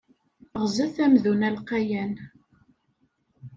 Ɣzet amdun alqayan.